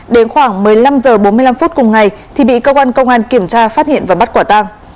đến khoảng một mươi năm h bốn mươi năm phút cùng ngày thì bị cơ quan công an kiểm tra phát hiện và bắt quả tang